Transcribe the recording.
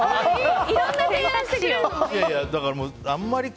いろんな提案してくれるんだ。